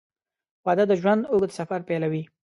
• واده د ژوند اوږد سفر پیلوي.